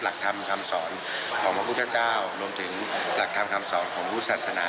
หลักธรรมคำสอนของพระพุทธเจ้ารวมถึงหลักธรรมคำสอนของพุทธศาสนา